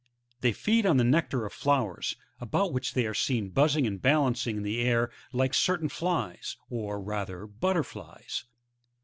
They feed on the nectar of flowers, about which they are seen buzzing and balancing in the air like certain flies, or rather butterflies.